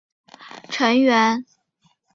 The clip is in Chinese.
兴亚会成员。